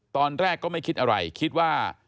ตอนแรกก็ไม่คิดอะไรคิดว่า